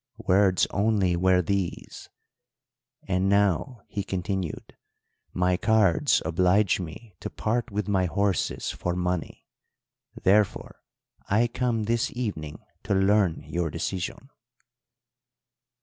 "Words only were these. 'And now,' he continued 'my cards oblige me to part with my horses for money; therefore I come this evening to learn your decision.'